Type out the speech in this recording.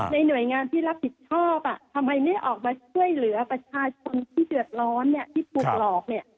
หน่วยงานที่รับผิดชอบทำไมไม่ออกมาช่วยเหลือประชาชนที่เดือดร้อนที่ถูกหลอกเนี่ย